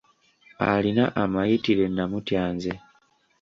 Alina amayitire' namutya nze.